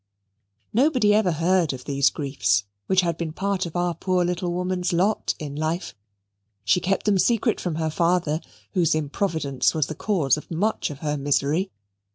Nobody ever heard of these griefs, which had been part of our poor little woman's lot in life. She kept them secret from her father, whose improvidence was the cause of much of her misery.